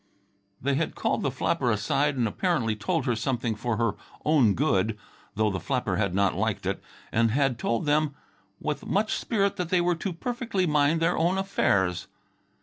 They had called the flapper aside and apparently told her something for her own good, though the flapper had not liked it, and had told them with much spirit that they were to perfectly mind their own affairs.